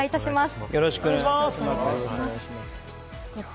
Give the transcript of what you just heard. よろしくお願いします。